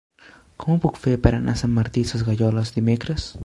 Com ho puc fer per anar a Sant Martí Sesgueioles dimecres?